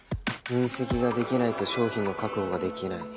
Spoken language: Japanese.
分析ができないと商品の確保ができない。